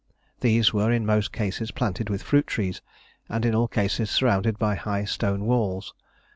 These were in most cases planted with fruit trees, and in all cases surrounded by high stone walls.